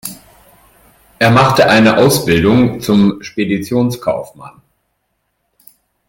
Er machte eine Ausbildung zum Speditionskaufmann.